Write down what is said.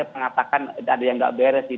mengatakan ada yang nggak beres